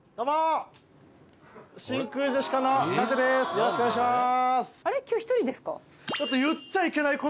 よろしくお願いします。